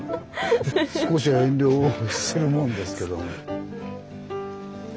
少しは遠慮をするもんですけども。